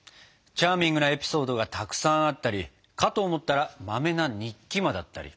チャーミングなエピソードがたくさんあったりかと思ったらまめな日記魔だったり。